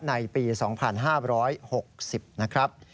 ในปี๒๕๖๐นะครับ